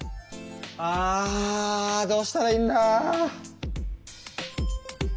あどうしたらいいんだ。